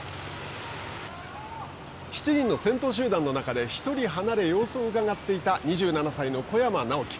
７人の先頭集団の中で１人離れ様子をうかがっていた２７歳の小山直城。